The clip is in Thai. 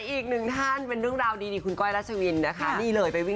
อีกหนึ่งท่านเป็นเรื่องราวดีคุณก้อยรัชวิน